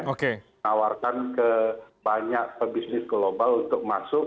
menawarkan ke banyak pebisnis global untuk masuk